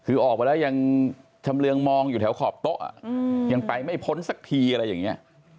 คือออกมาแล้วยังชำเรืองมองอยู่แถวขอบโต๊ะยังไปไม่พ้นสักทีอะไรอย่างนี้